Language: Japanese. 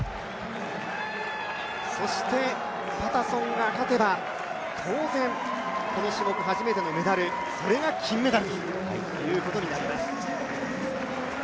そして、パタソンが勝てば当然、この種目初めてのメダルそれが金メダルということになります。